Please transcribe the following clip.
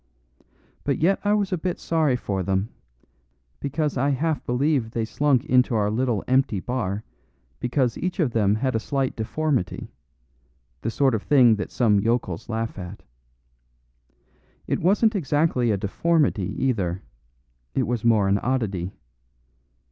But yet I was a bit sorry for them, because I half believe they slunk into our little empty bar because each of them had a slight deformity; the sort of thing that some yokels laugh at. It wasn't exactly a deformity either; it was more an oddity.